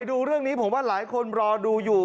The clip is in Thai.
ดูเรื่องนี้ผมว่าหลายคนรอดูอยู่